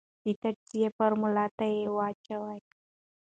د تجزیې فورمول ته واچوې ،